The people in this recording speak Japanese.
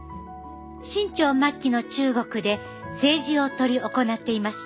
清朝末期の中国で政治を執り行っていました。